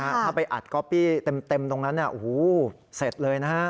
ถ้าไปอัดก๊อปปี้เต็มตรงนั้นเนี่ยโอ้โหเสร็จเลยนะฮะ